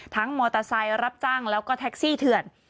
มอเตอร์ไซค์รับจ้างแล้วก็แท็กซี่เถื่อน